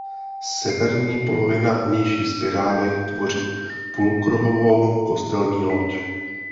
Severní polovina vnější spirály tvoří půlkruhovou kostelní loď.